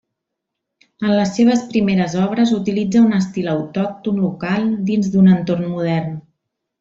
En les seves primeres obres utilitza un estil autòcton local dins d'un entorn modern.